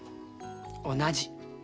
同じ。